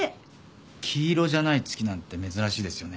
黄色じゃない月なんて珍しいですよね。